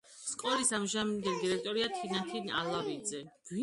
სკოლის ამჟამინდელი დირექტორია თინათინ ალავიძე.